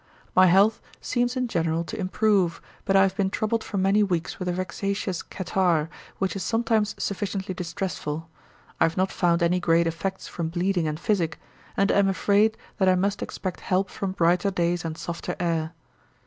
'My health seems in general to improve; but I have been troubled for many weeks with a vexatious catarrh, which is sometimes sufficiently distressful. I have not found any great effects from bleeding and physick; and am afraid, that I must expect help from brighter days and softer air.